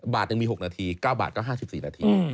บาทยังมี๖นาที๙บาทก็๕๔นาที